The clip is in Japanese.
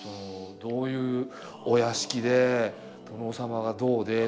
どういうお屋敷で殿様がどうでとかっていう。